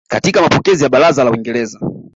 katika mapokezi ya Baraza la Uingereza